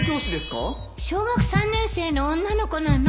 小学３年生の女の子なの。